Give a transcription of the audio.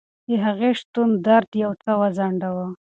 د هغې شتون درد یو څه وځنډاوه.